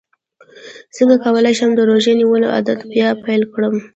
څنګه کولی شم د روژې نیولو عادت بیا پیل کړم